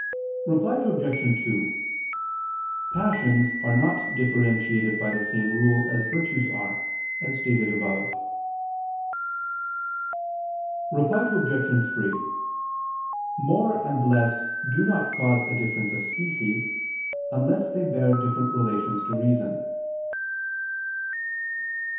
Reply Obj. 2: Passions are not differentiated by the same rule as virtues are, as stated above. Reply Obj. 3: More and less do not cause a difference of species, unless they bear different relations to reason.